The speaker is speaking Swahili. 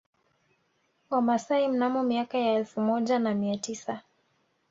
Wamasai mnamo miaka ya elfu moja na mia tisa